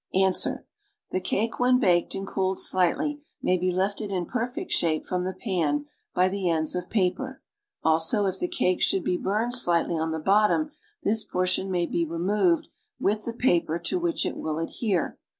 ^ Ans. The cake when baked and cooled sliglitl_\' may lie lifted in perfect shape from the pan ))y the ends of paper, also if the cake should be burned slightly on the bottom this portion may be removed with the paper to which it will adhere.